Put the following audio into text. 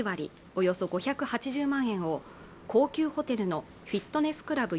およそ５８０万円を高級ホテルのフィットネスクラブ